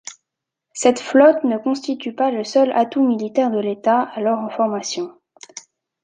Cette flotte ne constitue pas le seul atout militaire de l'État alors en formation.